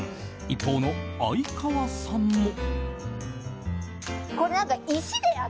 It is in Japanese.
一方の相川さんも。